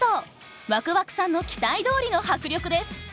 わくわくさんの期待どおりの迫力です。